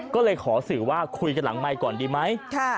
ก็เลยขอสื่อว่าคุยกันหลังไมค์ก่อนดีไหม